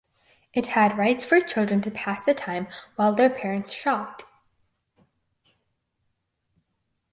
It had rides for children to pass the time while their parents shopped.